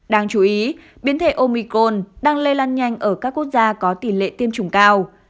đáng chú ý biến thể omicon đang lây lan nhanh ở các quốc gia có tỷ lệ tiêm chủng cao